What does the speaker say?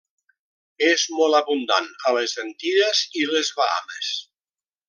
És molt abundant a les Antilles i les Bahames.